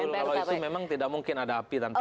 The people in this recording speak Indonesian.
kalau itu memang tidak mungkin ada api tanpa dana